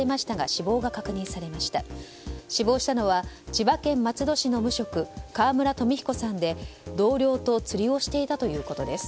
死亡したのは千葉県松戸市の無職川村冨彦さんで同僚と釣りをしていたということです。